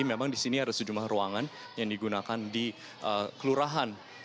jadi memang di sini ada sejumlah ruangan yang digunakan di kelurahan